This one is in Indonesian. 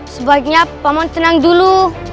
sebaiknya paman tenang dulu